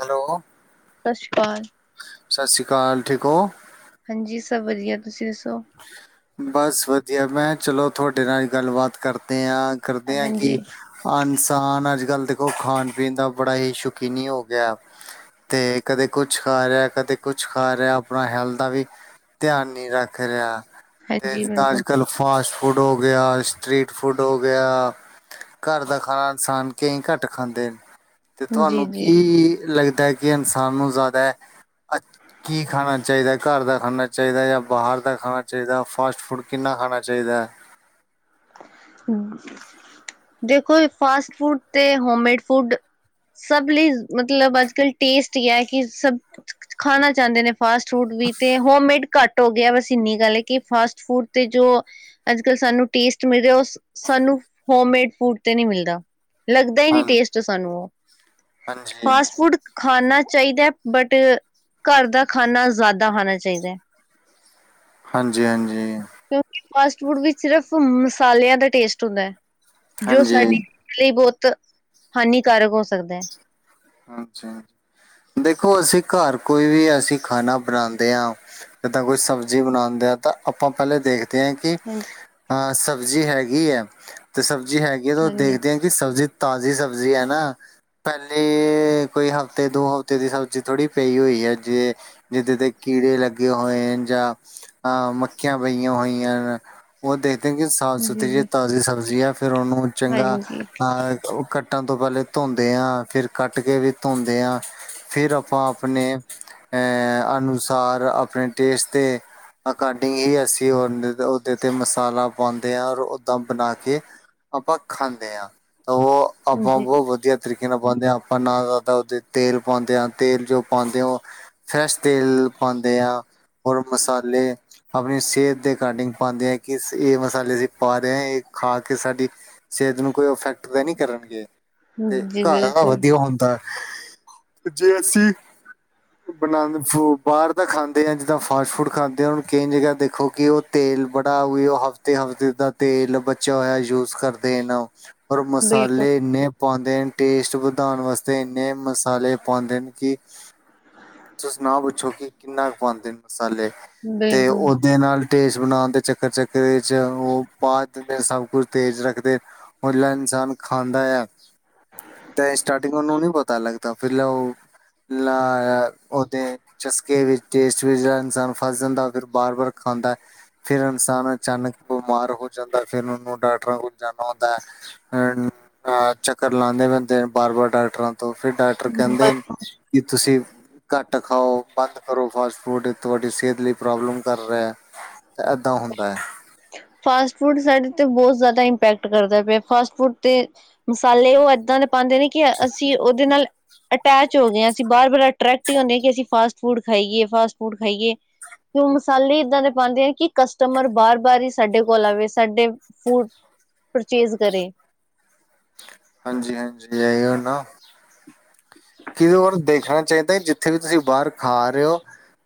Hello ਸਤਿ ਸ਼੍ਰੀ ਕਾਲ ਸਤਿ ਸ਼੍ਰੀ ਕਾਲ ਠੀਕ ਹੋ ਹਾਂਜੀ ਸਭ ਵਧੀਆ ਤੁਸੀਂ ਦੱਸੋ ਬਸ ਵਧੀਆ ਮੈਂ ਚਲੋ ਤੁਹਾਡੇ ਨਾਲ ਗੱਲਬਾਤ ਕਰਦੇ ਹਾਂ ਕਰਦੇ ਆਂ ਕਿ ਹਾਂਜੀ ਇਨਸਾਨ ਅੱਜ ਕੱਲ੍ਹ ਦੇਖੋ ਖਾਣ ਪੀਣ ਦਾ ਬੜਾ ਹੀ ਸ਼ੌਕੀਨੀ ਹੋ ਗਿਆ ਤੇ ਕਦੇ ਕੁਛ ਖਾ ਰਿਹਾ ਕਦੇ ਕੁਛ ਖਾ ਰਿਹਾ ਆਪਣਾ ਹੈਲਥ ਦਾ ਵੀ ਧਿਆਨ ਨਹੀਂ ਰੱਖ ਕਰਹਾ ਅਤੇ ਹਾਂਜੀ ਇਸਦਾਂ ਅੱਜ ਬਿਲਕੁਲ ਕੱਲ੍ਹ ਫਾਸਟ ਫੂਡ ਹੋ ਗਿਆ ਸਟਰੀਟ ਫੂਡ ਹੋ ਗਿਆ ਘਰ ਦਾ ਖਾਨਾ ਇਨਸਾਨ ਕਈ ਘੱਟ ਖਾਂਦੇ ਨੇ ਤੇ ਜੀ ਤੁਹਾਨੂੰ ਜੀ ਕੀ ਲੱਗਦਾ ਹੈ ਕਿ ਇਨਸਾਨ ਨੂੰ ਜ਼ਿਆਦਾ ਕੀ ਖਾਣਾ ਚਾਹੀਦਾ ਘਰ ਦਾ ਖਾਣਾ ਚਾਹੀਦਾ ਜਾਂ ਬਾਹਰ ਕਿੰ ਦਾ ਖਾਣਾ ਚਾਹੀਦਾ ਫਾਸਟ ਫੂਡ ਕਿੰਨਾ ਖਾਣਾ ਚਾਹੀਦਾ ਦੇਖੋ ਫਾਸਟ ਫੂਡ ਤੇ ਹੋਮਮੇਡ ਫੂਡ ਸਭ ਲਈ ਮਤਲਬ ਅੱਜ ਕੱਲ ਟੇਸਟ ਕਿ ਸਭ ਖਾਨਾ ਚਾਹੁੰਦੇ ਨੇ ਫਾਸਟ ਫੂਡ ਵੀ ਅਤੇ ਹੋਮੇਡ ਘੱਟ ਗਿਆ ਬਸ ਇੰਨੀ ਗੱਲ ਹੈ ਕਿ ਫਾਸਟ ਫੂਡ ਤੇ ਜੋ ਅੱਜ ਕੱਲ੍ਹ ਸਾਨੂੰ ਟੇਸਟ ਮਿਲ ਉਹ ਸਾਨੂੰ ਹੋਮ ਮੇਡ ਫੂਡ ਤੇ ਨਹੀ ਮਿਲਦਾ ਲੱਗਦਾ ਹੀ ਹਾਂ ਨਹੀ ਟੇਸਟ ਸਾਨੂੰ ਉਹ ਹਾਂਜੀ ਫਾਸਟ ਫੂਡ ਖਾਨਾ ਚਾਹੀਦਾ ਬਟ ਘਰ ਦਾ ਖਾਨਾ ਜ਼ਿਆਦਾ ਖਾਣਾ ਚਾਹੀਦਾ ਹੈ- ਹਾਂਜੀ ਹਾਂਜੀ ਕਿਉਂਕਿ ਫਾਸਟ ਫੂਡ ਵਿੱਚ ਸਿਰਫ ਮਸਾਲਿਆਂ ਦਾ ਟੇਸਟ ਹੁੰਦੈ ਹੈ ਜੋ ਹਾਂਜੀ ਸਾਡੇ ਲਈ ਬਹੁਤ ਹਾਨੀਕਾਰਕ ਹੋ ਸਕਦਾ ਹੈ ਅੱਛਾ ਦੇਖੋ ਅਸੀਂ ਘਰ ਕੋਈ ਵੀ ਅਸੀਂ ਖਾਣਾ ਬਣਾਦੇ ਹਾਂ ਜਿੱਦਾਂ ਕੋਈ ਸਬਜ਼ੀ ਬਣਾਉਂਦੇ ਆ ਤਾਂ ਆਪਾਂ ਪਹਿਲੇ ਦੇਖਦੇ ਕਿ ਹਾਂਜੀ, ਅਹ ਸਬਜ਼ੀ ਹੈਗੀ ਹੈ ਤੇ ਸਬਜ਼ੀ ਹੈਗੀ ਹੈ ਤੇ ਹਾਂਜੀ, ਦੇਖਦੇ ਹਾਂ ਕਿ ਸਬਜ਼ੀ ਤਾਜ਼ੀ ਸਬਜ਼ੀ ਹੈ ਨਾ ਪਹਿਲੇ ਤੇ ਕੋਈ ਹਫ਼ਤੇ ਦੋ ਹਫ਼ਤੇ ਦੀ ਸਬਜ਼ੀ ਥੋੜ੍ਹੀ ਪਈ ਹੋਈ ਹੈ ਜੇ ਜਿੱਦ ਦੇ ਕੀੜੇ ਲੱਗੇ ਹੋਏ ਜਾਂ ਹਾਂ ਮੱਖੀਆਂ ਪਈਆਂ ਹੋਈਆਂ ਉਹ ਦੇਖਦੇ ਕਿ ਸਾਫ਼ ਜੀ, ਸੁਥਰੀ ਜਿ ਜੀ, ਤਾਜ਼ੀ ਸਬਜ਼ੀ ਆ ਫੇਰ ਉਹਨੂੰ ਚੰਗਾ ਹਾਂਜੀ, ਆ ਉਹ ਕੱਟਣ ਤੋਂ ਪਹਿਲੇ ਟੋਂਦੇ ਹਾਂ ਫਿਰ ਕੱਟ ਕੇ ਵੀ ਤੋਂਦੇ ਹਾਂ ਫਿਰ ਆਪਾਂ ਆਪਨੇ ਅਨੁਸਾਰ ਆਪਣੇ ਟੇਸਟ ਦੇ ਅਕਡਿੰਗ ਹੀ ਅਸੀਂ ਉਹ ਉਹਦੇ ਤੇ ਮਸਾਲਾ ਪਾਉਂਦੇ ਹ ਔਰ ਓਦਾਂ ਬਣਾ ਕੇ ਆਪਾਂ ਖਾਂਦੇ ਹਾਂ ਤਾਂ ਉਹ ਜੀ। ਆਪਾਂ ਬਹੁਤ ਵਧੀਆ ਤਰੀਕੇ ਨਾਲ ਪਾਉਂਦੇ ਹਾਂ ਆਪਾਂ ਨਾ ਜ਼ਿਆਦਾ ਉਹਦੇ ਤੇਲ ਪਾਉਂਦੇ ਆ ਤੇਲ ਜੋ ਪਾਉਂਦੇ ਉ ਫਰੈਸ਼ ਤੇਲ ਪਾਉਂਦੇ ਆ ਰ ਮਸਾਲੇ। ਆਪਣੀ ਸਿਹਤ ਦੇ ਅਕਡਿੰਗ ਪਾਉਂਦੇ ਆ ਕਿ ਇਹ ਮਸਾਲੇ ਅਸੀਂ ਪਾ ਰਹੇ ਹ ਇਹ ਖਾ ਕੇ ਸਾਡੀ ਸਿਹਤ ਨੂੰ ਕੋਈ ਇਫੈਕਟ ਤਾਂ ਨਹੀਂ ਕਰਨਗੇ। ਤੇ ਜੀ ਘਰ ਬਿਲਕੁਲ, ਵਧੀਆ ਹੁੰਦਾ ਹੈ ਜੇ ਅਸੀਂ ਬਣਾ ਬਾਹਰ ਤਾਂ ਖਾਂਦੇ ਆ ਜਿੱਦਾਂ ਫਾਸਟ ਫੂਡ ਖਾਂਦੇ ਆ ਉਹ ਕਈ ਜਗ੍ਹਾ ਦੇਖੋ ਕਿ ਉਹ ਤੇਲ ਬੜਾ ਉਹ ਹਫਤੇ ਹਫਤੇ ਦਾ ਤੇਲ ਬਚਿਆ ਹੋਇਆ ਯੂਜ ਕਰਦੇ ਇਹ ਪਰ ਬਿਲਕੁਲ, ਮਸਾਲੇ ਇੰਨੇ ਪਾਉਂਦੇ ਨੇ ਟੇਸਟ ਵਧਾਉਣ ਵਾਸਤੇ ਇੰਨੇ ਮਸਾਲੇ ਪਾਉਂਦੇ ਨੇ ਕਿ ਤੁ ਸੁਣਾ ਪੁੱਛੋ ਕਿ ਕਿੰਨਾ ਕੁ ਪਾਉਂਦੇ ਨੇ ਮਸਾਲੇ ਤੇ ਬਿਲਕੁਲ। ਉਹ ਦੇ ਨਾਲ ਟੇਸਟ ਬਣਾਉਣ ਦੇ ਚੱਕਰ ਚੱਕਰ ' ਉਹ ਬਾਅਦ ਸਭ ਕੁਛ ਤੇਜ਼ ਰੱਖਦੇ। ਭੋਲਾ ਇਨਸਾਨ ਖਾਂਦਾ ਆ। ਤੇ ਸਟਾਰਟਿੰਗ ਉਹਨੂੰ ਨਹੀਂ ਪਤਾ ਲੱਗਦਾ ਫਿਰ ਲਓ ਲਾ ਉਹਦੇ ਚਸਕੇ ਵਿੱਚ ਟੇਸਟ ਵਿੱਚ ਜਿਹੜਾ ਇਨਸਾਨ ਫਸ ਜਾਂਦਾ ਫਿਰ ਬਾਰ ਵਾਰ ਖਾਂਦਾ ਫੇਰ ਇਨਸਾਨ ਅਚਾਨਕ ਬਿਮਾਰ ਹੋ ਜਾਂਦਾ ਫਿਰ ਉਹਨੂੰ ਡਾਕਟਰਾਂ ਕੋਲ ਜਾਣਾ ਹੁੰਦਾ ਹੈ। ਫਿਰ ਚੱਕਰ ਲਉ ਨੇ ਪੈਂਦੇ। ਬਾਰ ਬਾਰ ਡਾਕਟਰਾਂ ਤੋਂ ਫਿਰ ਡਾਕਟਰ ਕਹਿੰਦੇ ਕਿ ਤੁਸੀਂ ਘੱਟ ਖਾਓ ਬੰਦ ਕਰੋ ਫਾਸਟ ਫੂਡ ਤੁਹਾਡੀ ਸਿਹਤ ਲਈ ਪ੍ਰੋਬਲਮ ਕਰ ਰਿਹਾ। ਏਦਾਂ ਹੁੰਦਾ ਹੈ। ਫਾਸਟ ਫੂਡ ਸਾਡੇ ਤੇ ਬਹੁਤ ਜ਼ਿਆਦਾ ਇਪੈਕਟ ਕਰਦਾ ਪਿਆ ਫਾਸਟ ਫੂਡ ਤੇ ਮਸਾਲੇ ਉਹ ਏਦਾਂ ਦੇ ਪਾਉਂਦੇ ਨੇ ਕਿ ਅਸੀਂ ਉਹਦੇ ਨਾਲ ਅਟੈਚ ਹੋ ਗਿਆ ਆ ਅਸੀਂ ਬਾਰ ਬਾਰ ਅਟਟਰੈਕਟ ਹੀ ਹੁੰਦੇ ਹ ਕਿ ਅਸੀਂ ਫਾਸਟ ਫੂਡ ਖਾਈਏ, ਫਾਸਟ ਫੂਡ ਖਾਈਏ। ਕਿ ਉਹ ਮਸਾਲੇ ਏਦਾਂ ਦੇ ਪਾਉਂਦੇ ਆ ਕਿ ਕਸਟਮਰ ਬਾਰ ਬਾਰ ਹੀ ਸਾਡੇ ਕੋਲ ਆਵੇ ਸਾਡੇ ਫੂਡ ਪਰਚੇਜ਼ ਕਰੇ। ਹਾਂਜੀ ਹਾਂਜੀ ਇਹੀਓ ਨਾ ਕਈ ਵਾਰ ਦੇਖਣਾ ਚਾਹੀਦਾ ਜਿੱਥੇ ਵੀ ਤੁਸੀਂ ਬਾਹਰ ਖਾ ਰਹੇ ਹੋ।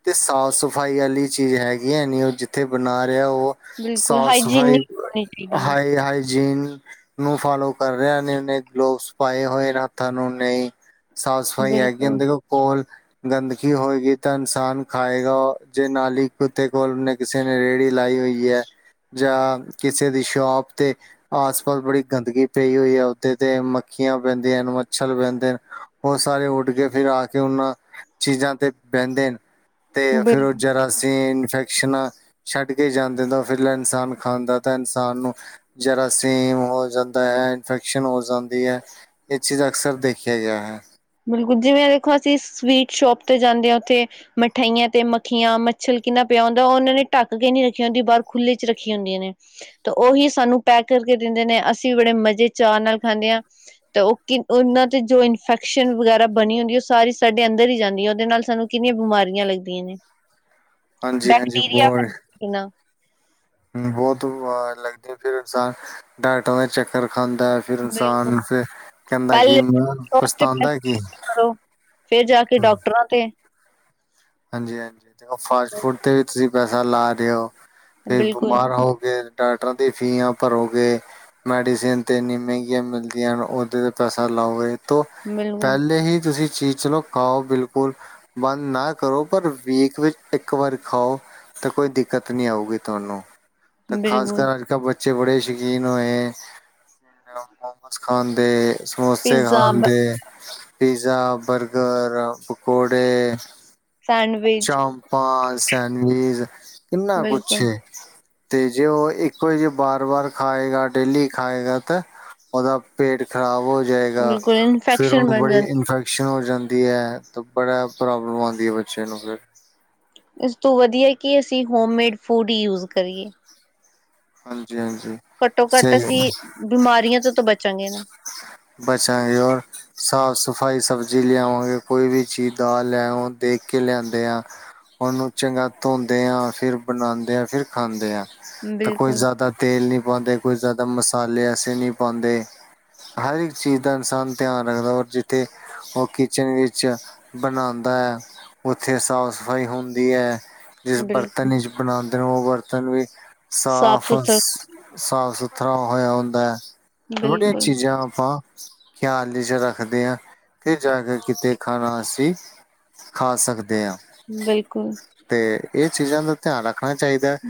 ਤੇ ਸਾਫ਼ ਸਫ਼ਾਈ ਵਾਲੀ ਚੀਜ਼ ਹੈਗੀ ਹੈ ਨ ਉਹ ਜਿੱਥੇ ਬਣਾ ਰਿਹਾ ਉਹ ਬਿਲਕੁਲ ਸੌਸ ਹਾਈ ਹਾਈਜੀਨਿਕ ਹੋਣੀ ਚਾਹੀਦੀ ਹੈ ਹਾਈ ਹਾਈਜੀਨ ਨੂੰ ਫਾਲੋ ਕਰ ਰਿਹਾ ਨੇਨੇ ਗਲੋਵਸ ਪਾਏ ਹੋਏ ਨੇ ਹੱਥਾਂ ਨੂੰ ਨਹੀਂ ਸਾਫ਼ ਸਫ਼ਾਈ ਹੈਗੀ ਏ ਬਿਲਕੁਲ ਦੇਖੋ ਕੋਲ ਗੰਦਗੀ ਹੋਏਗੀ ਤਾਂ ਇਨਸਾਨ ਖਾਏਗਾ ਉਹ ਜੇ ਨਾਲੀ ਕੁੱਤੇ ਕੋਲ ਕਿਸੇ ਨੇ ਰੇਹੜੀ ਲਾਈ ਹੋਈ ਹੈ। ਜਾਂ ਕਿਸੇ ਦੀ ਸ਼ੋਪ ਤੇ ਆਸ ਪਾਸ ਬੜੀ ਗੰਦਗੀ ਪਈ ਹੋਈ ਹੈ। ਤੇ ਮੱਖੀਆਂ ਪੈਂਦੀਆਂ ਹਨ, ਮੱਛਰ ਪੈਂਦੇ ਨੇ, ਉਹ ਸਾਰੇ ਉੱਡ ਕੇ ਫਿਰ ਆ ਕੇ ਉਹਨਾਂ ਚੀਜ਼ਾਂ ਤੇ ਬਹਿੰਦੇ ਨੇ ਤੇ ਫਿਰ ਬਿਲ ਉਹ ਜਰਾ ਅਸੀਂ ਇਨਫੈਕਸ਼ਨਾਂ ਛੱਡ ਕੇ ਜਾਂਦੇ ਤਾਂ ਫਿਲ ਇਨਸਾਨ ਖਾਂਦਾ ਤਾਂ ਇਨਸਾਨ ਨੂੰ ਜਰਾਸੀਮ ਹੋ ਜਾਂਦਾ ਹੈ ਇਨਫੈਕ ਇਨਫੈਕਸ਼ਨ ਹੋ ਜਾਂਦੀ ਹੈ ਇਹ ਚੀਜ਼ ਅਕਸਰ ਦੇਖਿਆ ਗਿਆ ਹੈ। ਬਿਲਕੁਲ ਜਿਵੇਂ ਦੇਖੋ ਅਸੀਂ ਸਵੀਟ ਸ਼ੋਪ ਤੇ ਜਾਂਦੇ ਹਾਂ ਉੱਥੇ ਮਠਾਈਆਂ ਤੇ ਮੱਖੀਆਂ ਮੱਛਲ ਕਿੰਨਾ ਪਿਆ ਹੁੰਦਾ ਉਹਨਾਂ ਨੇ ਢੱਕ ਕੇ ਨਹੀਂ ਰੱਖੀ ਹੁੰਦੀ ਬਾਹਰ ਖੁੱਲ੍ਹੇ ਚ ਰੱਖੀਆਂ ਹੁੰਦੀਆਂ ਨੇ ਤਾਂ ਉਹੀ ਸਾਨੂੰ ਪੈਕ ਕਰਕੇ ਦਿੰਦੇ ਨੇ ਅਸੀਂ ਬੜੇ ਮਜ਼ੇ ਚਾਅ ਨਾਲ ਖਾਂਦੇ ਹਾਂ। ਤੇ ਉਹ ਕਿ ਉਹਨਾਂ ਤੇ ਜੋ ਇਨਫੈਕ ਇਨਫੈਕਸ਼ਨ ਵਗੈਰਾ ਬਣੀ ਹੁੰਦੀ ਉਹ ਸਾਰੀ ਸਾਡੇ ਅੰਦਰ ਹੀ ਜਾਂਦੀ ਹੈ, ਉਹਦੇ ਨਾਲ ਸਾਨੂੰ ਕਿੰਨੀਆਂ ਬਿਮਾਰੀਆਂ ਲੱਗਦੀਆਂ ਨੇ। [inaudible] ਹ ਬੈਕਟੀਰੀਆ ਫੈ ਕਿੰਨਾ ਬਹੁਤ ਲੱਗਦੀ ਫਿਰ ਇਨਸਾਨ ਡਾਕਟਰਾਂ ਦਾ ਚੱਕਰ ਖਾਂਦਾ। ਫਿਰ ਬਿਲਕੁਲ ਇਨਸਾਨ ਫਿਰ ਕਹਿੰਦਾ ਕਿ ਪਹਿਲੇ ਮੈਂ ਪੱਛਤਾਉਂਦਾ ਕੀ ਫੇਰ ਜਾ ਕੇ ਡਾਕਟਰਾਂ ਤੇ ਹਾਂਜੀ ਹਾਂਜੀ ਦੇਖ ਫਾਸਟ ਫੂਡ ਤੇ ਵੀ ਤੁਸੀਂ ਪੈਸਾ ਲਾ ਰਹੇ ਹੋ ਵੀ ਬਿਲਕੁਲ ਬਿਮਾਰ ਹੋ ਕੇ। ਡਾਕਟਰਾਂ ਦੀਆਂ ਫੀਸਾ ਭਰੋਗੇ। ਮੈਡੀਸਿਨ ਤਾਂ ਇੰਨੀ ਮਹਿੰਗੀਆਂ ਮਿਲਦੀਆਂ ਉਹਦੇ ' ਪੈਸਾ ਲਾਓ ਤੋਂ ਬਿਲਕੁਲ ਪਹਿਲੇ ਹੀ ਤੁਸੀਂ ਚੀਜ਼ ਚਲੋ ਖਾਓ ਬਿਲਕੁੱਲ ਬੰਦ ਨਾ ਕਰੋ ਪਰ ਵੀਕ ਵਿੱਚ ਇੱਕ ਵਾਰੀ ਖਾਓ ਤਾਂ ਕੋਈ ਦਿੱਕਤ ਨੀ ਆਊਗੀ ਤੁਹਾਨੂੰ। ਤਾਂ ਖਾਸ ਬਿਲਕੁਲ ਕਰ ਅੱਜ ਕੱਲ ਬੱਚਾ ਬੱਚੇ ਬੜੇ ਸ਼ੌਕੀਨ ਹੋਏ। ਮੋਮਸ ਖਾਨ ਦੇ। ਸਮੋਸੇ ਪੀਜ਼ਾ ਖਾਂਣ ਦੇ। ਪੀਜ਼ਾ, ਬਰਗੱਰ, ਪਕੌੜੇ- ਸੈਂਡਵਿਚ- ਹਾਂ, ਸੈਂਡਵਿਚ ਕਿੰਨਾ ਕੁੱਛ ਬਿਲਕੁਲ ਹੈ। ਤੇ ਜੇ ਉਹ ਇੱਕੋ ਜੇ ਬਾਰ ਵਾਰ ਖਾਏਗਾ ਡੇਲੀ ਖਾਏਗਾ। ਤਾਂ ਉਹਦਾ ਪੇਟ ਖ਼ਰਾਬ ਹੋ ਜਾਏਗਾ। ਬਿਲਕੁਲ ਫਿਰ ਇਨਫੈਕਸ਼ਨ ਉਹਨੂੰ ਬਣ ਬੜੀ ਇਨਫੈਕਸ਼ਨ ਜਾਂਦੀ ਇਨਫੈਕਸ਼ਨ ਹੋ ਜਾਂਦੀ ਹੈ। ਤੇ ਬੜਾ ਪ੍ਰੋਬਲਮ ਆਉਂਦੀ ਹੈ ਬੱਚੇ ਨੂੰ ਫਿਰ ਇਸ ਤੋਂ ਵਧੀਆ ਕਿ ਅਸੀਂ ਹੋਮਮੇਡ ਫੂਡ ਹੀ ਯੂਜ਼ ਕਰੀਏ। ਹਾਂਜੀ- ਹਾਂਜੀ। ਘੱਟੋ- ਘੱਟ ਅਸੀਂ ਬਿਮਾਰੀਆਂ ਤੋਂ ਤਾਂ ਬਚਾਂਗੇ ਨਾ। ਬਚਾਂਗੇ। ਔਰ ਸਾਫ਼ -ਸਫ਼ਾਈ ਸਬਜ਼ੀ ਲਿਆਵਾਂਗੇ ਕੋਈ ਵੀ ਚੀਜ਼ ਦਾਲ ਲਿਆਵਾਂ ਦੇਖ ਕੇ ਲਿਆਦੇ ਆ। ਉਹਨੂੰ ਚੰਗਾ ਧੋਂਦੇ ਆ, ਫਿਰ ਬਣਾਉਂਦੇ ਆਂ, ਫਿਰ ਖਾਂਦੇ ਆਂ। ਤਾਂ ਕੋਈ ਬਿਲਕੁਲ ਜ਼ਿਆਦਾ ਤੇਲ ਨਹੀਂ ਪਾਉਂਦੇ, ਕੋਈ ਜ਼ਿਆਦਾ ਮਸਾਲੇ ਐਸੇ ਨਹੀਂ ਪਾਉਂਦੇ। ਹਰ ਇੱਕ ਚੀਜ਼ ਦਾ ਇਨਸਾਨ ਧਿਆਂਨ ਰੱਖਦਾ ਔਰ ਜਿੱਥੇ ਉਹ ਕਿਚੱਨ ਵਿੱਚ ਬਣਾਉਂਦਾ ਹੈ। ਉੱਥੇ ਸਾਫ਼- ਸਫ਼ਾਈ ਹੁੰਦੀ ਹੈ। ਜਿਸ ਬਿਲਕੁਲ ਬਰੱਤਨ ਵਿਚ ਬਣਾਉਦੇ ਨੇ ਉਹ ਬਰੱਤਨ ਵੀ ਸਾਫ ਸਾਫ- ਸੁਥਰਾ ਹੋਇਆ ਹੁੰਦਾ ਹੈ। ਬੜੀਆਂ ਬਿਲਕੁਲ ਚੀਜ਼ਾਂ ਆਪਾਂ ਖਿਆਲ ਚੱ ਰੱਖਦੇ ਹਾਂ, ਤੇ ਜਾ ਕੇ ਕਿਤੇ ਖਾਣਾ ਅਸੀਂ। ਖਾ ਸਕਦੇ ਹਾਂ। ਬਿਲਕੁੱਲ ਤੇ ਇਹ ਚੀਜ਼ਾਂ ਦਾ ਧਿਆਂਨ ਰੱਖਣਾਂ ਚਾਹੀਦਾ ਹੈ।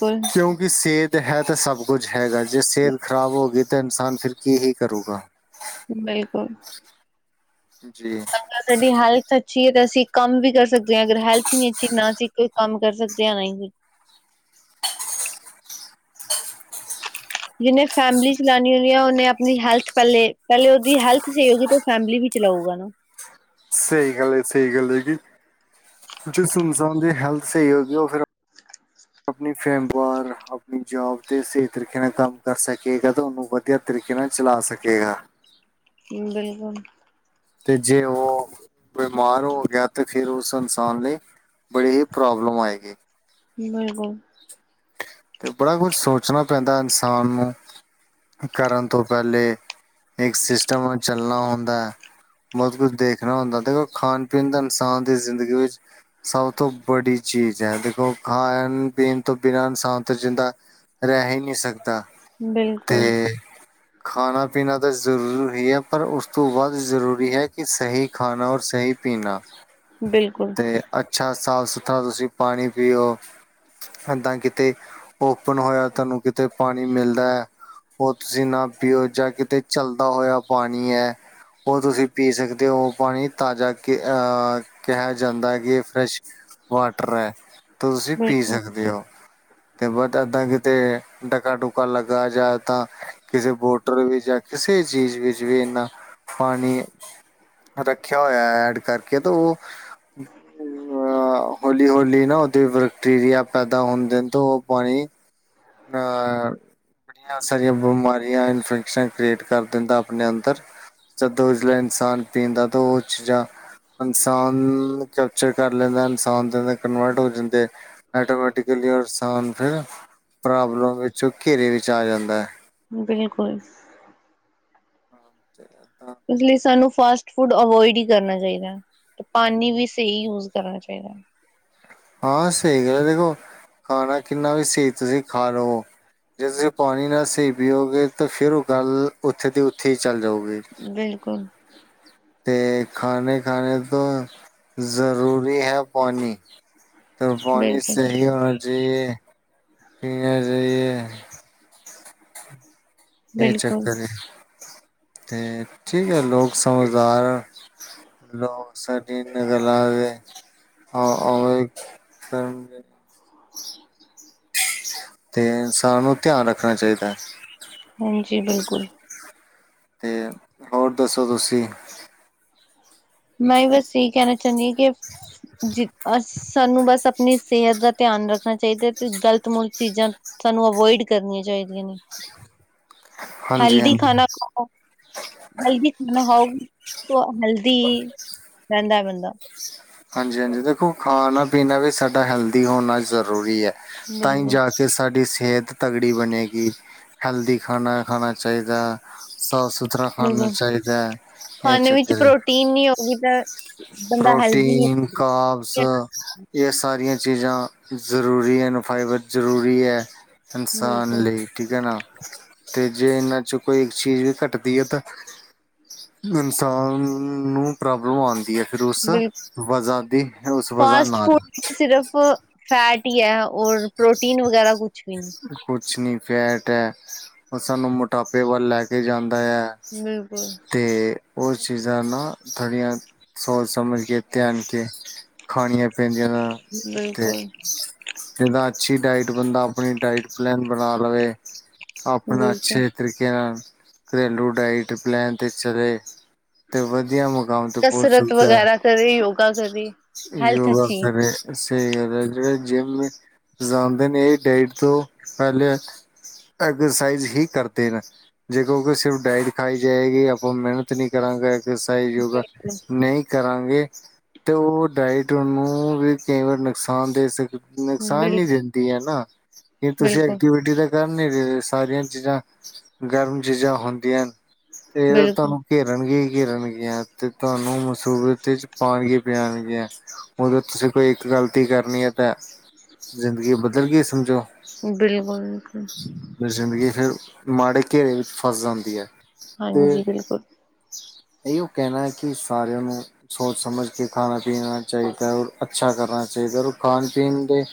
ਫੁਲ ਕਿਉਂਕਿ ਸਿਹਤ ਹੈ ਤਾਂ ਸੱਭ ਕੁੱਝ ਹੈਗਾ। ਜੇ ਸਿਹਤ ਖ਼ਰਾਬ ਹੋ ਗਈ ਤਾਂ ਇਨਸਾਨ ਫਿਰ ਕੀ ਹੀ ਕਰੇਗਾ। ਬਿਲਕੁੱਲ ਜੀ। ਐ ਸਾਡੀ ਹੈਲਥ ਅੱਛੀ ਹੈ ਤਾਂ ਅਸੀਂ ਕੰਮ ਵੀ ਕਰ ਸਕਦੇ ਹਾਂ ਅਗਰ ਹੈਲਥ ਨਹੀਂ ਅੱਛੀ ਨਾ ਅਸੀਂ ਕੋਈ ਕੰਮ ਕਰ ਸਕਦੇ ਹਾਂ ਨਾ ਹੀ। ਜਿਹਨੇ ਫੈਮਿਲੀ ਚਲਉਣੀ ਹੁੰਦੀ ਆ ਉਹਨੇ ਆਪਣੀ ਹੈਲਥ ਪਹਿਲੇ, ਪਹਿਲੇ ਉਹਦੀ ਹੈਲਥ ਸਹੀ ਹੋਊਗੀ ਤੇ ਉਹ ਫੈਮਿਲੀ ਵੀ ਚਲਾਊਗਾ ਨਾ। ਸਹੀ ਗੱਲ ਹੈ, ਸਹੀ ਗੱਲ ਹੈਗੀ। ਜਿਸ ਇਨਸਾਨ ਦੀ ਹੈਲਥ ਸਹੀ ਹੋ ਗਈ ਉਹ ਫਿਰ ਆਪਣੀ ਫੇਮ ਵਾਰ ਆਪਣੀ ਜੋਬ ਤੇ ਸਹੀ ਤਰੀਕੇ ਨਾਲ ਕੰਮ ਕਰ ਸਕੇਗਾ ਤੁਹਾਨੂੰ ਵਧੀਆ ਤਰੀਕੇ ਨਾਲ ਚਲਾ ਸਕੇਗਾ। ਬਿਲਕੁੱਲ ਤੇ ਜੇ ਉਹ ਬਿਮਾਰ ਹੋ ਗਿਆ ਅਤੇ ਫਿਰ ਉਸ ਇਨਸਾਨ ਲਈ ਬੜੀ ਹੀ ਪ੍ਰੋਬਲਮ ਆਏਗੀ। ਬਿਲਕੁੱਲ ਤੇ ਬੱੜਾ ਕੁੱਝ ਸੋਚਣਾ ਪੈਂਦਾ ਇਨਸਾਨ ਨੂੰ। ਕਰਨ ਤੋਂ ਪਹਿਲੇ ਇੱਕ ਸਿੱਸਟਮ ਨਾਲ ਚੱਲਣਾ ਹੁੰਦਾ ਹੈ। ਬਹੁਤ ਕੁੱਝ ਦੇਖਣਾ ਹੁੰ ਦੇਖੋ ਖਾਣ- ਪੀਣ ਦਾ ਇਨਸਾਨ ਦੀ ਜ਼ਿੰਦਗੀ ਵਿੱਚ ਸਭ ਤੋਂ ਬੜੀ ਚੀਜ਼ ਹੈ। ਦੇਖੋ, ਖਾਣ -ਪੀਣ ਤੋਂ ਬਿਨਾਂ ਇਨਸਾਨ ਤੋਂ ਜਿੰਦਾ ਰਹਿ ਹੀ ਨਹੀਂ ਸਕਦਾ। ਬਿਲਕੁਲ ਤੇ ਖਾਣਾ- ਪੀਣਾ ਤਾਂ ਜ਼ਰੂੂਰ ਹੀ ਹੈ ਪਰ ਉਸ ਤੋਂ ਬਾਅਦ ਜ਼ਰੂਰੀ ਹੈ ਕਿ ਸਹੀ ਖਾਣਾ ਔਰ ਸਹੀ ਪੀਣਾ। [unintelligible] ਬਿਲਕੁੱਲ- ਅਤੇ ਅੱਛਾ, ਸਾਫ- ਸੁੱਥਰਾ ਤੁਸੀਂ ਪਾਣੀ ਪੀਓ। ਇਦਾਂ ਕਿਤੇ, ਓਪਨ ਹੋਇਆ ਤੁਹਾਨੂੰ ਕਿਤੇ ਪਾਣੀ ਮਿਲਦਾ ਹੈ। ਉਹ ਤੁਸੀਂ ਨਾ ਪੀਓ ਜਾਂ ਕਿਤੇ ਚਲਦਾ ਹੋਇਆ ਪਾਣੀ ਹੈ। ਉਹ ਤੁਸੀਂ ਪੀ ਸਕਦੇ ਹੋ ਪਾਣੀ ਤਾਜ਼ਾ ਕਿ ਕਿਹਾ ਜਾਂਦਾ ਹੈ ਕਿ ਇਹ ਫਰੈਸ਼ ਵਾਟਰ ਹੈ ਤੁਸੀਂ ਪੀ ਬਿਲਕੁਲ ਸਕਦੇ ਹੋ। ਤੇ ਬ ਏਦਾਂ ਕਿਤੇ ਡਕਾ ਡੁਕਾ ਲੱਗਾ ਜਾ ਤਾਂ ਕਿਸੇ ਬੋਟਰ ਵਿੱਚ ਜਾਂ ਕਿਸੇ ਚੀਜ਼ ਵਿੱਚ ਵੀ ਇਨਾ ਪਾਣੀ। ਰੱਖਿਆ ਹੋਇਆ ਐਡ ਕਰਕੇ ਤਾਂ ਉਹ ਅ ਹੌਲੀ, ਹੌਲੀ ਨਾ ਉਹਦੇ ਬੈਕਟੀਰੀਆ ਪੈਦਾ ਹੁੰਦੇ ਨੇ ਤਾਂ ਉਹ ਪਾਣੀ [unintelligible] ਬਨੀਆਂ ਸਾਰੀਆਂ ਬਿਮਾਰੀਆਂ ਇਨਫੈਕਸ਼ਨਾਂ ਕਰ੍ਰੀਏਟ ਕਰ ਦਿੰਦਾ ਆਪਣੇ ਅੰਦਰ। ਜਦੋਂ ਇਜ਼ਲੇਨ ਇਨਸਾਨ ਪੀਂਦਾ ਤਾਂ ਉਹ ਚੀਜ਼ਾਂ। ਇਨਸਾਨ ਕੈਪਚਰ ਕਰ ਲੈਂਦਾ ਇਨਸਾਨ ਦੇ ਕਨਵਰਟ ਹੋ ਜਾਂਦੇ ਆਟੋਮੈਟਿਕਲੀ ਔਰ ਇਨਸਾਨ ਫਿਰ ਪ੍ਰੋਬਲਮ ਵਿੱਚ ਘੇਰੇ ਵਿੱਚ ਆ ਜਾਂਦਾ ਹੈ। ਬਿਲਕੁਲ ਹਾ ਇਸ ਲਈ ਸਾਨੂੰ ਫਾਸਟ ਫੂਡ ਅਵਇਡ ਹੀ ਕਰਨਾ ਚਾਹੀਦਾ ਹੈ। ਤੇ ਪਾਣੀ ਵੀ ਸਹੀ ਯੂਜ ਕਰਨਾ ਚਾਹੀਦਾ। ਹਾਂ ਸਹੀ ਗ ਦੇਖੋ ਖਾਣਾ ਕਿੰਨਾ ਵੀ ਸਹੀ ਤੁਸੀਂ ਖਾ ਲਵ ਜੇ ਤੁਸੀਂ ਪਾਣੀ ਨਾਲ ਸਹੀ ਪੀਓਗੇ ਤਾਂ ਫੇਿਰ ਉਹ ਗੱਲ ਉੱਥੇ ਦੀ ਉੱਥੇ ਹੀ ਚੱਲ ਜਾਓਗੀ। ਬਿਲਕੁਲ। ਅਤੇ ਖਾਣੇ ਖਾਣੇ ਤੋਂ ਜ਼ਰੂਰੀ ਹੈ ਪਾਣੀ। ਤਾਂ ਪਾਣੀ ਬਿਲਕੁਲ ਸਹੀ ਹੋਣਾ ਚਾਹੀਏ ਪੀਣੇ ਚਾਹੀਏ ਇਹ ਬਿਲਕੁਲ ਚੱਕਰ ਹੈ ਤੇ ਠੀਕ ਹੈ ਲੋਗ ਸਮਝਦਾਰ ਹਨ ਲੋਕ ਸਡੀ ਇਨ ਗਲਾ ਦੇ ਹਾਂ ਔਰ ਏਕ ਸਨ [unintelligible] ਤੇ ਇਨਸਾਨ ਨੂੰ ਧਿਆਨ ਰੱਖਣਾ ਚਾਹੀਦਾ। ਹਾਂਜੀ, ਬਿਲਕੁਲ ਅਤੇ ਹੋਰ ਦੱਸੋ ਤੁਸੀਂ ਮੈਂ ਬਸ ਇਹੀ ਕਹਿਣਾ ਚਾਹੁੰਦੀ ਹਾਂ ਕਿ ਜਿ ਅਸੀ ਸਾਨੂੰ ਬਸ ਆਪਣੀ ਸਿਹਤ ਦਾ ਧਿਆਨ ਰੱਖਣਾ ਚਾਹੀਦਾ ਤੇ ਗ਼ਲਤ ਮੁਲ ਚੀਜ਼ਾਂ ਸਾਨੂੰ ਅਵੋਇਡ ਕਰਨੀਆਂ ਚਾਹੀਦੀਆਂ ਨੇ। ਹਾਂਜੀ, ਹਾਂਜੀ ਹਲਦੀ ਤੋ ਨਹਾਓ ਤੇ ਹੈਲਥੀ ਰੰਦਾ ਬੰਦਾ ਹਾਂਜੀ, ਹਾਂਜੀ ਦੇਖੋ ਖਾਣਾ ਪੀਣਾ ਵੀ ਸਾਡਾ ਹੈਲਦੀ ਹੋਣਾ ਜ਼ਰੂਰੀ ਹੈ। ਤਾਂ ਬਿਲਕੁਲ ਜਾ ਕੇ ਸਾਡੀ ਸਿਹਤ। ਤਗੜੀ ਬਣੇਗੀ ਹੈਲਦੀ ਖਾਣਾ ਖਾਣਾ ਚਾਹੀਦਾ ਸਾਫ਼ ਸੁਥਰਾ ਤਰ੍ਹਾਂ ਖਣਾ ਬਿਲਕੁਲ ਚਾਹੀਦਾ ਇਹ ਖਾਣੇ ਵਿੱਚ ਚੱਕਰ ਪ੍ਰੋਟੀਨ ਨਹੀਂ ਹੋਗੀ ਤਾਂ ਬੰਦਾ ਹੈਲਦੀ ਨਹੀਂ ਪਰੋਟੀਨ ਕਾਬਸ ਇਹ ਸਾਰੀਆਂ ਚੀਜ਼ਾਂ ਜ਼ਰੂਰੀ ਹਨ ਫਾਈਬਰ ਜ਼ਰੂਰੀ ਹੈ। ਇਨਸਾਨ ਬਿਲਕੁਲ ਲਈ ਠੀਕ ਹੈ ਨਾ ਤੇ ਜੇ ਇਹਨਾਂ ਚ ਕੋਈ ਇੱਕ ਚੀਜ਼ ਵੀ ਘੱਟਦੀ ਹੈ ਤਾਂ ਇਨਸਾਨ ਨੂੰ ਪ੍ਰੋਬਲਮ ਆਉਂਦੀ ਹੈ। ਫਰੂਸਾ ਬਿਲਕੁਲ ਵਜ਼ਾ ਦੀ ਉਸ ਵਜ਼ਾ ਫਾਸਟ ਨਾਲ ਫੂਡ ਸਿਰਫ ਫੈਟ ਹੀ ਹੈ ਔਰ ਪ੍ਰੋਟੀਨ ਵਗੈਰਾ ਕੁਛ ਵੀ ਨਹੀਂ ਕੁਛ ਨੀ ਫੈਟ ਹੈ ਉਹ ਸਾਨੂੰ ਮੋਟਾਪੇ ਵੱਲ ਲੈ ਕੇ ਜਾਂਦਾ ਹੈ। ਬਿਲਕੁਲ। ਅਤੇ ਉਸ ਚੀਜ਼ਾਂ ਨਾ ਥੋੜੀਆਂ ਸੋਚ ਸਮਝ ਕੇ ਧਿਆਨ ਕੇ ਖਾਣੀਆਂ ਪੈਂਦੀਆ ਤੇ ਬਿਲਕੁਲ ਜਦਾ ਅੱਛੀ ਡਾਈਟ ਬੰਦਾ ਆਪਣੀ ਡਾਇਟ ਪਲੈਨ ਬਣਾ ਲਵੇ ਆਪਣਾ ਬਿਲਕੁਲ ਅੱਛੇ ਤਰੀਕੇ ਨਾਲ ਘਰੇਲੂ ਡਾਈਟ ਪਲੈਨ 'ਤੇ ਚਲੇ। ਤੇ ਵਧੀਆ ਮੁਕਾਮ ਤੇ ਪੋਂਚ ਸਕਦੈ। ਕਰੇ ਯੋਗਾ ਕਦੀ ਹੈਲਥ ਅਛੀ। ਕਰੇ ਸਹੀ ਗੱਲ ਹੈ ਜਿਹੜੇ ਜਿੰਮ ਜਾਂਦੇ ਨੇ ਇਹ ਡਾਈਟ ਤੋਂ ਪਹਿਲੇ ਐਕਰਸਾਈਜ਼ ਹੀ ਕਰਦੇ ਰੈਣ ਜੇ ਕਹੋ ਕਿ ਸਿਰਫ ਡਾਇਟ ਖਾਈ ਜਾਏਗੀ ਆਪਾਂ ਮਿਹਨਤ ਨਹੀਂ ਕਰਾਂਗੇ ਐਕਸਰਸਾਈਜ਼ ਯੋਗਾ ਬਿਲਕੁਲ ਨਹੀਂ ਕਰਾਂਗੇ ਤੇ ਉਹ ਡਾਇਟ ਉਹਨੂੰ ਵੀ ਕਈ ਵਾਰ ਨੁਕਸਾਨ ਦੇ ਸਕਦੀ। ਨੁਕਸਾਨ ਬਿਲ ਨੀ ਦਿੱਤੀ ਏ ਨਾ ਕੀ ਤੁਸੀਂ ਬਿਲਕੁਲ ਐਕਟੀਵਿਟੀ ਦੇ [unintelligible] ਗ ਨ ਰ ਸਾਰੀਆਂ ਚੀਜ਼ਾਂ ਗਰਮ ਚੀਜ਼ਾਂ ਹੁੰਦੀਆਂ ਨੇ ਤੇ ਇਹ ਬਿਲਕੁਲ ਤੁਹਾਨੂੰ ਘੇਰਨਗੀ -ਘੇਰਨਗੀਆਂ ਤੇ ਤੁਹਾਨੂੰ ਮਸੂਬਤ ਚ ਪਾਣਗੇ। ਤੇ ਆਨਗੀਆਂ ਉਦੋਂ ਤੁਸੀਂ ਕੋਈ ਇੱਕ ਗਲਤੀ ਕਰਨੀ ਏ ਤੇ ਜ਼ਿੰਦਗੀ ਬ ਜਰਗੀ ਸਮਝੋ [unintelligible] ਬਿਲਕੁਲ- ਬਿਲਕੁਲ। ਜ਼ਿੰਦਗੀ ਫੇਰ ਮਾੜੇ ਘੇਰੇ ਵਿੱਚ ਫਸ ਜਾਂਦੀ ਐ ਤੇ ਹਾਂਜੀ ਬਿਲਕੁਲ ਇਹੋ ਕਹਿਣਾ ਹੈ ਕਿ ਸਾਰਿਆਂ ਨੂੰ ਸੋਚ- ਸਮਝ ਕੇ ਖਾਣਾ ਪੀਣਾ ਚਾਈਦਾ ਔਰ ਅੱਛਾ ਕਰਨਾ ਚਾਈਦਾ ਔਰ ਖਾਣ ਪੀਣ ਦੇ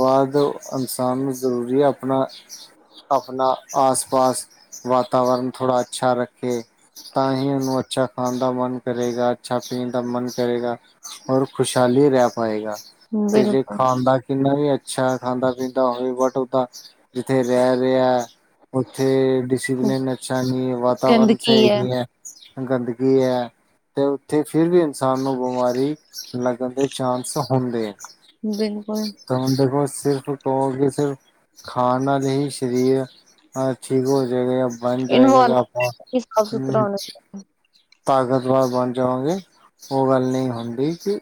ਬਾਦ ਅਨਸਾਨ ਨੂੰ ਜ਼ਰੂਰੀ ਆਪਣਾ ਆਪਣਾ ਆਸ- ਪਾਸ ਵਾਤਾਵਰਨ ਥੋੜਾ ਅੱਛਾ ਰੱਖੇ। ਤਾਂ ਹੀ ਉਨੂੰ ਅੱਛਾ ਖਾਣ ਦਾ ਮਨ ਕਰੇਗਾ, ਅੱਛਾ ਪੀਣ ਦਾ ਮਨ ਕਰੇਗਾ ਔਰ ਖੁਸ਼ਆਲੀ ਰਹਿ ਪਾਏਗਾ ਤੇ ਜੇ ਬਿਲਕੁਲ ਖਾਣ ਦਾ - ਕਿੰਨਾ ਵੀ ਅੱਛਾ ਖਾਂਦਾ -ਪੀਂਦਾ ਹੋਵੇ ਬਟ ਓਹ ਤਾਂ ਜਿੱਥੇ ਰਹਿ ਰਿਐ ਉੱਥੇ ਡਿਸਿਪਲਿਨ ਅੱਛਾ ਨਹੀ, ਵਾਤਾਵਰਨ ਗੰਦਗੀ ਸਹੀ ਹੈ ਨਹੀਂ ਐ ਗੰਦਗੀ ਹੈ ਤੇ ਉੱਥੇ ਫਿਰ ਵੀ ਇਨਸਾਨ ਨੂੰ ਬੀਮਾਰੀ ਲੱਗਣ ਦੇ ਚਾਂਸ ਹੁੰਦੇ। ਬਿਲਕੁਲ। ਤਾਂ ਹੁਣ ਦੇਖੋ ਸਿਰਫ ਕਹੋਗੇ ਸਿਰਫ ਖਾਣ ਨਾਲ ਹੀ ਸਰੀਰ ਅਛਿਕ ਹੋ ਜਾਏਗਾ ਆ। ਬਨ ਜਾਏਗਾ ਤਾਂ ਇਨਵਾਇਰਮੈਂਟ ਆਪਾਂ ਵੀ ਸਾਫ਼ ਸੁਥਰਾ ਹਮ ਹੋਣਾ [unintelligible] ਤਾਕਤਵਰ ਬਣ ਜਾਓਗੇ ਉਹ ਗੱਲ ਨਹੀਂ ਹੁੰਦੀ ਕਿ